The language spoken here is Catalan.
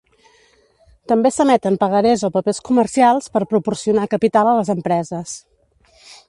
També s'emeten pagarés o papers comercials per proporcionar capital a les empreses.